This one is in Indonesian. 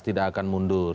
tidak akan mundur